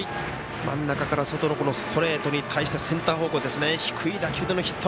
真ん中から外のストレートに対しセンター方向ですね低い打球でのヒット。